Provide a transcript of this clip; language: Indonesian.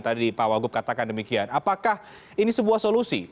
tadi pak wagub katakan demikian apakah ini sebuah solusi